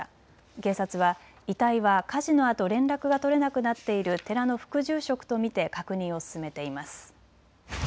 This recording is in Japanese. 警察は遺体は火事のあと連絡が取れなくなっている寺の副住職と見て確認を進めています。